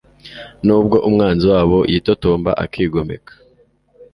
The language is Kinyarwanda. nubwo umwanzi wabo yitotomba akigomeka